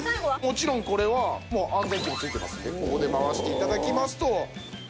もちろんこれはもう安全器も付いてますのでここで回して頂きますとはい全部。